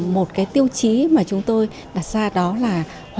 một cái tiêu chí mà chúng tôi đặt ra đó là